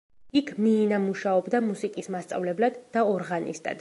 იქ მიინა მუშაობდა მუსიკის მასწავლებლად და ორღანისტად.